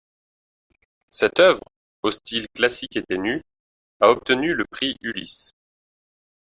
Cette œuvre, au style classique et tenu, a obtenu le Prix Ulysse.